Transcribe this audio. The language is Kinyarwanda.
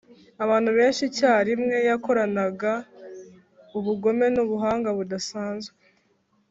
abantu benshi icyarimwe yakoranaga ubugome n'ubuhanga budasanzwe